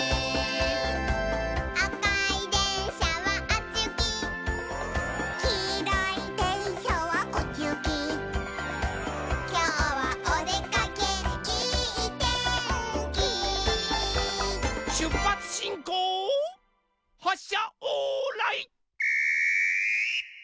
「あかいでんしゃはあっちゆき」「きいろいでんしゃはこっちゆき」「きょうはおでかけいいてんき」しゅっぱつしんこうはっしゃオーライ。